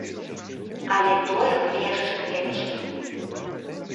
Але тое былі яшчэ кветачкі.